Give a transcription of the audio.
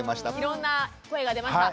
いろんな声が出ました。